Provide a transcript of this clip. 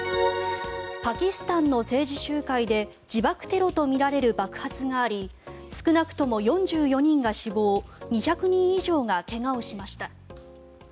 パキスタンの政治集会で自爆テロとみられる爆発があり少なくとも４４人が死亡２００人以上が怪我をしました。